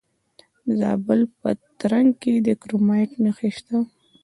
د زابل په ترنک کې د کرومایټ نښې شته.